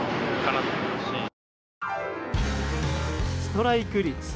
ストライク率。